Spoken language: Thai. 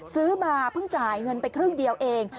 ซื้อมาเพิ่งจ่ายเงินไปครึ่งเดียวเอง